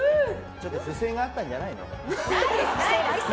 ちょっと不正があったんじゃないの？